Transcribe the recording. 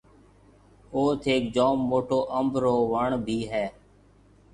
اوٿ هيڪ جوم موٽو انڀ رو وڻ ڀِي هيَ۔